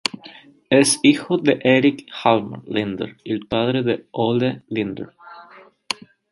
Es hijo de Erik Hjalmar Linder y el padre de Olle Linder.